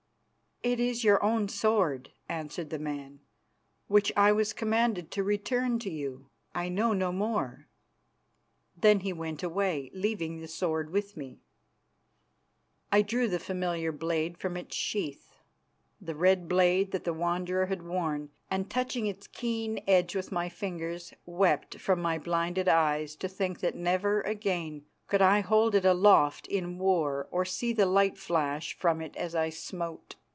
"It is your own sword," answered the man, "which I was commanded to return to you. I know no more." Then he went away, leaving the sword with me. I drew the familiar blade from its sheath, the red blade that the Wanderer had worn, and touching its keen edge with my fingers, wept from my blinded eyes to think that never again could I hold it aloft in war or see the light flash from it as I smote.